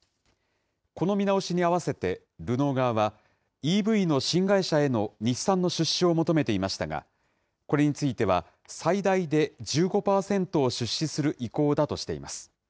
この見直しに合わせてルノー側は、ＥＶの新会社への日産の出資を求めていましたが、これについては最大で１５％を出資する意向だとしています。